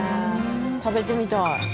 食べてみたい。